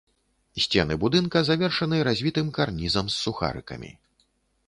Сцены будынка завершаны развітым карнізам з сухарыкамі.